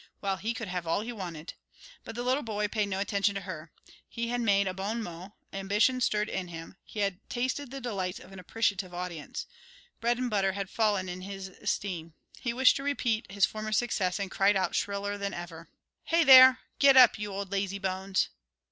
Well, he could have all he wanted!" But the little boy paid no attention to her. He had made a bon mot, ambition stirred in him, he had tasted the delights of an appreciative audience. Bread and butter had fallen in his esteem. He wished to repeat his former success, and cried out shriller than ever: "Hey, there! Get up, you old lazee bones!"